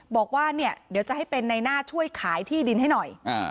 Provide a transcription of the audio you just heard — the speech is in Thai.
บอกว่าเนี่ยเดี๋ยวจะให้เป็นในหน้าช่วยขายที่ดินให้หน่อย